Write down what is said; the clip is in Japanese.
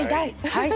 はい。